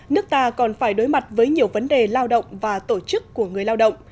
nước ta còn phải đối mặt với nhiều vấn đề lao động và tổ chức của người lao động